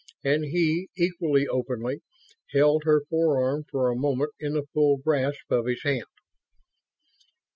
And he, equally openly, held her forearm for a moment in the full grasp of his hand.